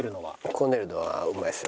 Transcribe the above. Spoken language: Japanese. こねるのはうまいですよ。